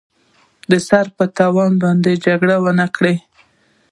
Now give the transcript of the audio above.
د سر په تاوان باید جګړه ونکړي.